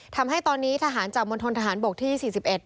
ทำให้ตอนนี้ทหารจากมณฑนทหารบกที่สี่สิบเอ็ด